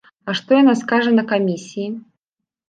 А што яна скажа на камісіі?